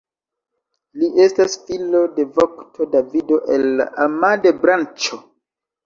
Li estas filo de vokto Davido el la Amade-branĉo.